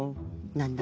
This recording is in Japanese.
何だ？